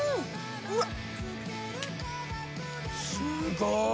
うわっ！